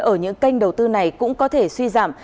ở những kênh đầu tư này cũng có thể suy giảm